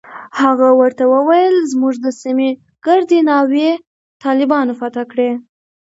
هغه ورته ويلي و چې زموږ د سيمې ګردې ناوې طالبانو فتح کړي دي.